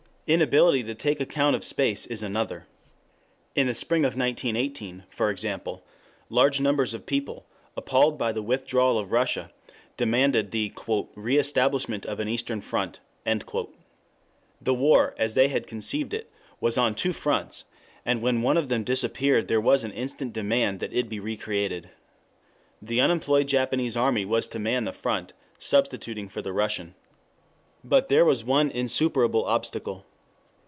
2 Inability to take account of space is another. In the spring of 1918, for example, large numbers of people, appalled by the withdrawal of Russia, demanded the "reestablishment of an Eastern Front." The war, as they had conceived it, was on two fronts, and when one of them disappeared there was an instant demand that it be recreated. The unemployed Japanese army was to man the front, substituting for the Russian. But there was one insuperable obstacle.